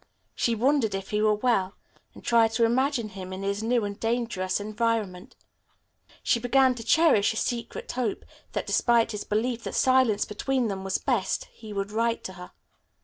She wondered if he were well, and tried to imagine him in his new and dangerous environment. She began to cherish a secret hope that, despite his belief that silence between them was best, he would write to her.